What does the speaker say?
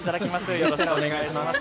よろしくお願いします。